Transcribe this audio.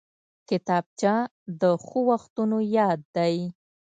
کتابچه د ښو وختونو یاد دی